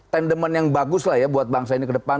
tendement yang bagus lah ya buat bangsa ini kedepan